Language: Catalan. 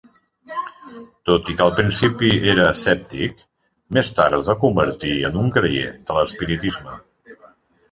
Tot i que al principi era escèptic, més tard es va convertir en un creient de l'espiritisme.